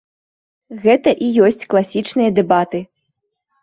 Гэта і ёсць класічныя дэбаты.